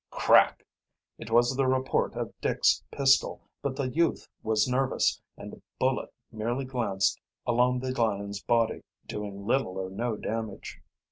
Crack! It was the report of Dick's pistol, but the youth was nervous, and the bullet merely glanced along the lion's body, doing little or no damage.